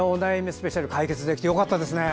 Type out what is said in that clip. スペシャル解決できてよかったですね。